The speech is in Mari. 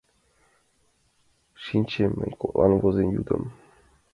Шинчем мый коклан возен йӱдым